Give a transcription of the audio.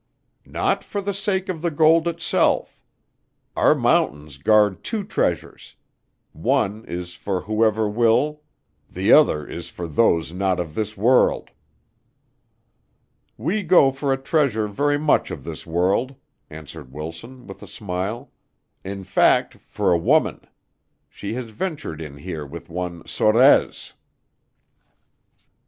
"Not for the sake of the gold itself. Our mountains guard two treasures; one is for whoever will, the other is for those not of this world." "We go for a treasure very much of this world," answered Wilson, with a smile; "in fact, for a woman. She has ventured in here with one Sorez."